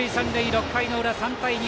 ６回の裏、３対２。